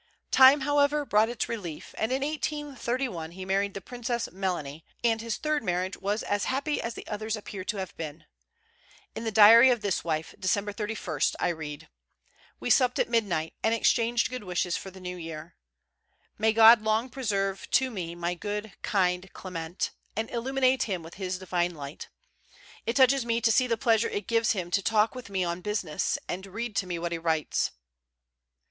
Time, however, brought its relief, and in 1831 he married the Princess Melanie, and his third marriage was as happy as the others appear to have been. In the diary of this wife, December 31, I read: "We supped at midnight, and exchanged good wishes for the new year. May God long preserve to me my good, kind Clement, and illuminate him with His divine light. It touches me to see the pleasure it gives him to talk with me on business, and read to me what he writes."